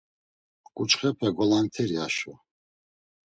Ǩuçxepe golankteri haşo.